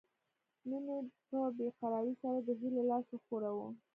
مينې په بې قرارۍ سره د هيلې لاس وښوراوه